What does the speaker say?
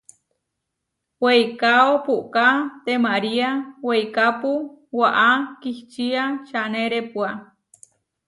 Weikáo puʼká temariá weikápu, waʼá kihčía čanerepua.